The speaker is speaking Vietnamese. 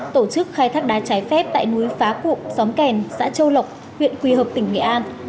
tổ chức khai thác đá trái phép tại núi phá cụm xóm kèn xã châu lộc huyện quỳ hợp tỉnh nghệ an